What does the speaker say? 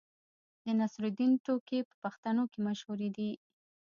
د نصرالدین ټوکې په پښتنو کې مشهورې دي.